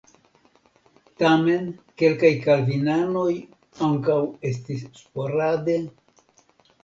Tamen kelkaj kalvinanoj ankaŭ estis sporade.